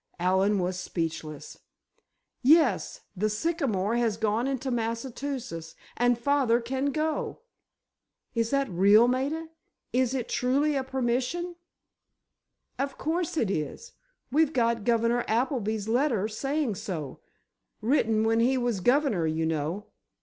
——" Allen was speechless. "Yes; the sycamore has gone into Massachusetts—and father can go!" "Is that real, Maida—is it truly a permission?" "Of course it is! We've got Governor Appleby's letter, saying so—written when he was governor, you know!